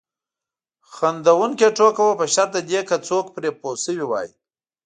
خندونکې ټوکه وه په شرط د دې که څوک پرې پوه شوي وای.